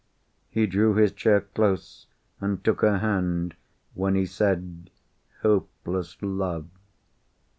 He drew his chair close, and took her hand, when he said "hopeless love."